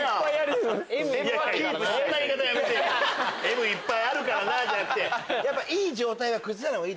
「Ｍ」いっぱいあるからじゃなくて。